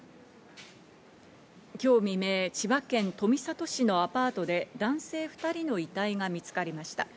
今日未明、千葉県富里市のアパートで男性２人の遺体が見つかりました。